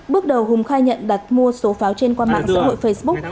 bước đầu hùng khai nhận đặt mua số pháo trên qua mạng xã hội facebook